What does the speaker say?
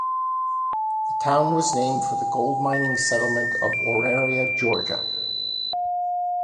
The town was named for the gold mining settlement of Auraria, Georgia.